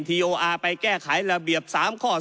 ทีโออาร์ไปแก้ไขระเบียบ๓ข้อ๒